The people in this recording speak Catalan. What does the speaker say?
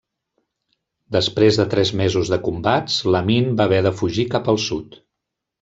Després de tres mesos de combats Lamine va haver de fugir cap al sud.